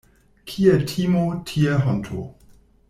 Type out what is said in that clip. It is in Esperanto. Kie timo, tie honto.